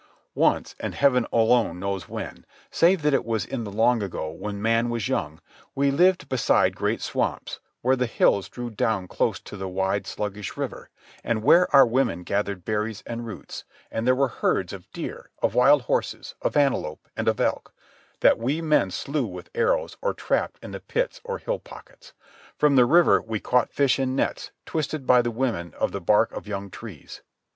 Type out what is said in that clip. Once, and heaven alone knows when, save that it was in the long ago when man was young, we lived beside great swamps, where the hills drew down close to the wide, sluggish river, and where our women gathered berries and roots, and there were herds of deer, of wild horses, of antelope, and of elk, that we men slew with arrows or trapped in the pits or hill pockets. From the river we caught fish in nets twisted by the women of the bark of young trees.